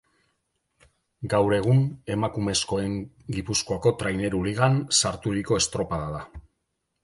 Gaur egun Emakumezkoen Gipuzkoako Traineru Ligan sarturiko estropada da.